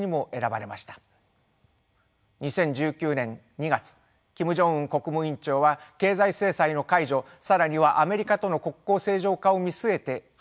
２０１９年２月キム・ジョンウン国務委員長は経済制裁の解除更にはアメリカとの国交正常化を見据えてハノイに赴きました。